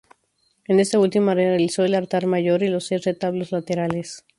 En esta última realizó el altar mayor y los seis retablos laterales.